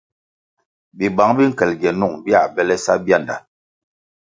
Bibang bi nkel gienung bia bele sa bianda.